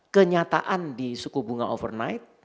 kenyataan di suku bunga overnight